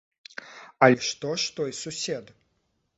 Але што ж той сусед?